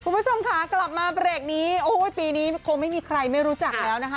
คุณผู้ชมค่ะกลับมาเบรกนี้โอ้ยปีนี้คงไม่มีใครไม่รู้จักแล้วนะคะ